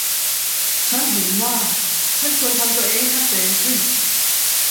ฉันเห็นว่าฉันควรทำตัวเองให้ชัดเจนขึ้น